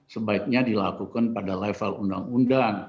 sebaiknya dilakukan pada level undang undang